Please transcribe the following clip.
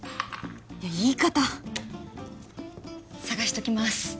いや言い方捜しときます